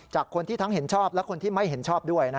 จากคนที่ทั้งเห็นชอบและคนที่ไม่เห็นชอบด้วย